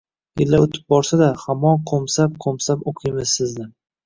Yillar oʻtib borsa-da, hamon qoʻmsab-qoʻmsab oʻqiymiz sizni.